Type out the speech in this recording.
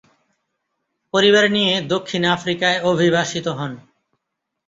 পরিবার নিয়ে দক্ষিণআফ্রিকায় অভিবাসিত হন।